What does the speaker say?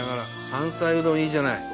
山菜うどんいいじゃない！